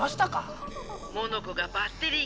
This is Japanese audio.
モノコがバッテリー切れでね。